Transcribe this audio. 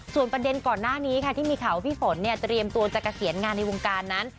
ส่วนประเด็นก่อนหน้านี้ค่ะที่มีข่าวว่าพี่ฝนเนี่ยเตรียมตัวจะเกษียณงานในวงการนั้น